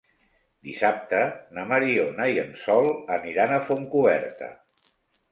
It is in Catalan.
Dissabte na Mariona i en Sol aniran a Fontcoberta.